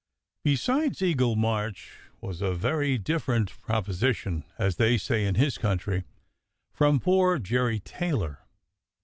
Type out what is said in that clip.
Besides, Eagle March was a very different "proposi tion," as they say in his country, from poor Jerry Taylor.